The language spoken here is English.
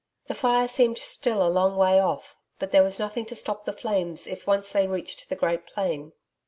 The fire seemed still a long way off, but there was nothing to stop the flames if once they reached the great plain.